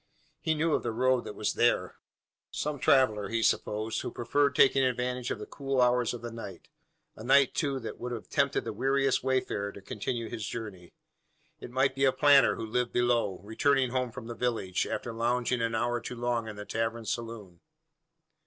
He knew of the road that was there. Some traveller, he supposed, who preferred taking advantage of the cool hours of the night a night, too, that would have tempted the weariest wayfarer to continue his journey. It might be a planter who lived below, returning home from the village, after lounging an hour too long in the tavern saloon.